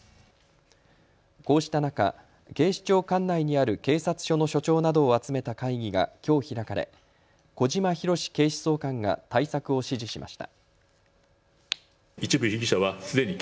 こうした中、警視庁管内にある警察署の署長などを集めた会議がきょう開かれ小島裕史警視総監が対策を指示しました。